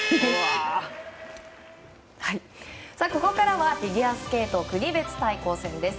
ここからはフィギュアスケート国別対抗戦です。